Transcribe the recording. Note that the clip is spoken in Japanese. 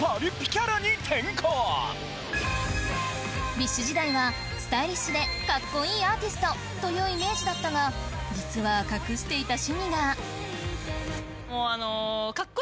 ＢｉＳＨ時代はスタイリッシュでカッコイイアーティストというイメージだったがもうあの。